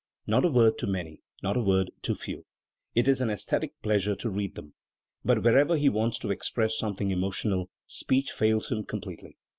Not a word too many, not a word too few. It is an aesthetic pleasure to read them. But wherever he wants to express something emotional, speech fails him completely.